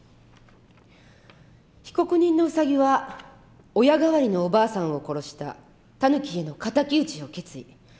「被告人のウサギは親代わりのおばあさんを殺したタヌキへの敵討ちを決意。